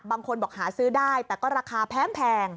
บางคนบอกหาซื้อได้แต่ก็ราคาแพง